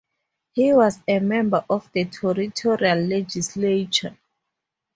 He was a member of the Territorial Legislature.